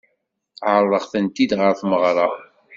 Ɛeṛḍeɣ-tent-id ɣer tmeɣṛa.